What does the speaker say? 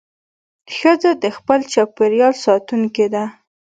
ښځه د خپل چاپېریال ساتونکې ده.